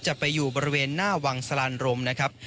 จะไปอยู่บริเวณหน้าวังสลานรมนะครับ